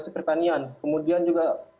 sekertanian kemudian juga